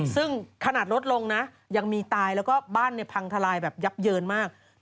ซึ่งขนาดลดลงนะยังมีตายแล้วก็บ้านพังทลายแบบยับเยินมาก